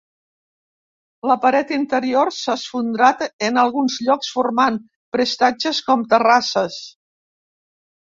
La paret interior s'ha esfondrat en alguns llocs, formant prestatges com terrasses.